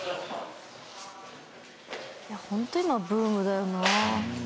ホント今ブームだよな。